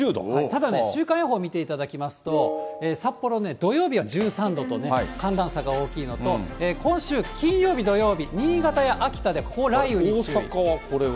ただね、週間予報を見ていただきますと、札幌ね、土曜日は１３度と寒暖差が大きいのと、今週金曜日、土曜日、大阪はこれは。